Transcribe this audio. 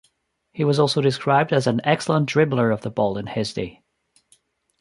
He was also described as an "excellent dribbler" of the ball in his day.